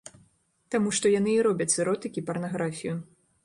Таму што яны і робяць з эротыкі парнаграфію.